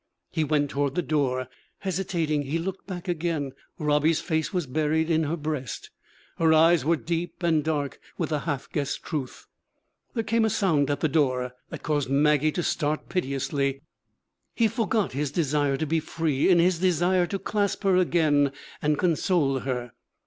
He went toward the door. Hesitating he looked back again. Robbie's face was buried in her breast; her eyes were deep and dark with the half guessed truth. There came a sound at the door, that caused Maggie to start piteously. He forgot his desire to be free in his desire to clasp her again and console her.